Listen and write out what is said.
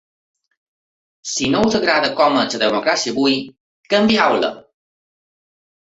Si no us agrada com és la democràcia avui, canvieu-la.